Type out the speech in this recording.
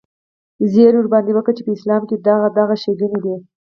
زيرى ورباندې وکه چې په اسلام کښې دغه دغه ښېګڼې دي.